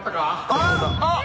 あっ！